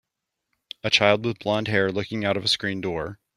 A child with blondhair looking out of a screen door.